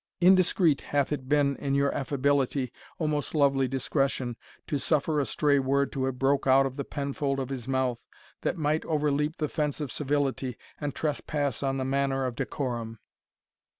Indiscreet hath it been in your Affability, O most lovely Discretion, to suffer a stray word to have broke out of the penfold of his mouth, that might overleap the fence of civility, and trespass on the manor of decorum."